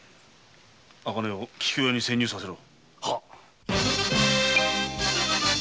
茜を桔梗屋に潜入させろ。